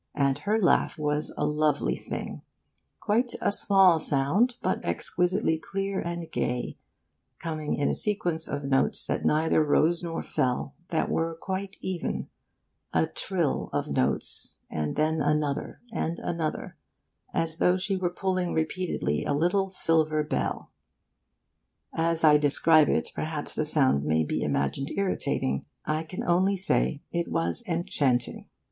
And her laugh was a lovely thing; quite a small sound, but exquisitely clear and gay, coming in a sequence of notes that neither rose nor fell, that were quite even; a trill of notes, and then another, and another, as though she were pulling repeatedly a little silver bell... As I describe it, perhaps the sound may be imagined irritating. I can only say it was enchanting.